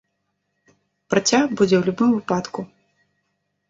Працяг будзе ў любым выпадку.